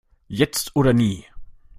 Jetzt oder nie!